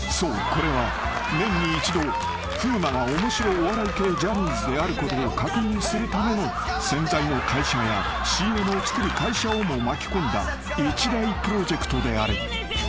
これは年に一度風磨が面白お笑い系ジャニーズであることを確認するための洗剤の会社やＣＭを作る会社をも巻き込んだ一大プロジェクトである］